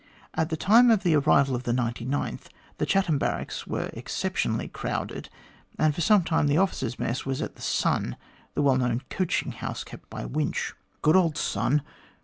At the time of the arrival of the 99th, the Chatham Barracks were exceptionally crowded, and for some time the officers' mess was at 'The Sun/ the well known coaching house, kept by Winch. Good old ' Sun